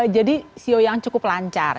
jadi shou yang cukup lancar